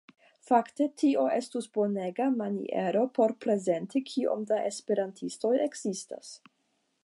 Fakte tio estus bonega maniero por prezenti kiom da esperantistoj ekzistas.